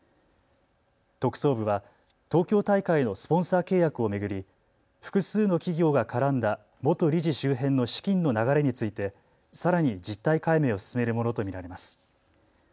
特捜部は東京大会のスポンサー契約を巡り、複数の企業が絡んだ元理事周辺の資金の流れについてさらに実態解明を進めるものと見られます。